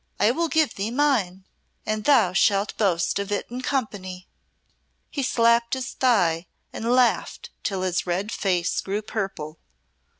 I will give thee mine, and thou shalt boast of it in company." He slapped his thigh and laughed till his red face grew purple.